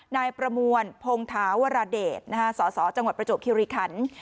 นายประมวลพงธาวรเดชสสจังหวัดประจวบคิริคัน